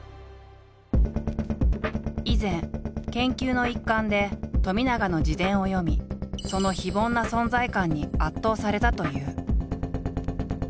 以前研究の一環で冨永の自伝を読みその非凡な存在感に圧倒されたという。